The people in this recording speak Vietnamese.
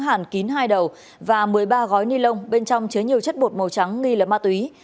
hàn kín hai đầu và một mươi ba gói ni lông bên trong chứa nhiều chất bột màu trắng nghi là ma túy